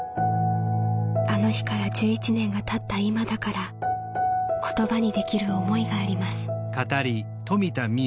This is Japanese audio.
あの日から１１年がたった今だから言葉にできる思いがあります。